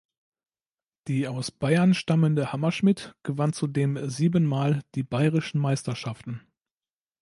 Die aus Bayern stammende Hammerschmid gewann zudem siebenmal die Bayerischen Meisterschaften.